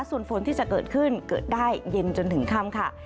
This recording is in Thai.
ส่วนฝนที่จะเกิดขึ้นเกิดได้เย็นจนถึงค่ำค่ะ